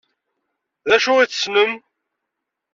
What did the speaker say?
D acu i tessnem?